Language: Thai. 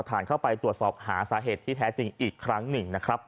ฐานเข้าไปตรวจสอบหาสาเหตุที่แท้จริงอีกครั้งหนึ่งนะครับ